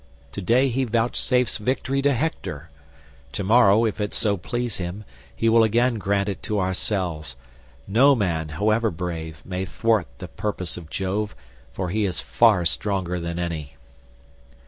To day he vouchsafes victory to Hector; to morrow, if it so please him, he will again grant it to ourselves; no man, however brave, may thwart the purpose of Jove, for he is far stronger than any."